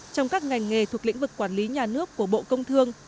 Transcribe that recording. trong các ngành nghề thuộc lĩnh vực quản lý nhà nước của bộ công thương